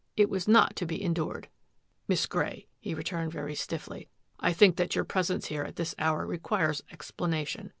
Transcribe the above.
It was not to be en dured. " Miss Grey," he returned very stiffly, " I think that your presence here at this hour requires ex planation.